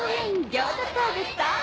ギョーザ食べたい。